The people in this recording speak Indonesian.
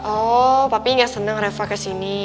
oh papi gak seneng reva kesini